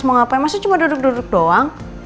mau ngapain masa cuma duduk duduk doang